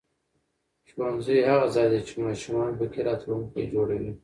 ښوونځی هغه ځای دی چې ماشومان پکې راتلونکی جوړوي